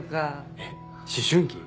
えっ思春期？